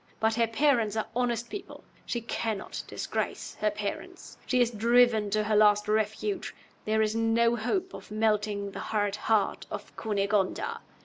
But her parents are honest people; she cannot disgrace her parents. She is driven to her last refuge there is no hope of melting the hard heart of Cunegonda.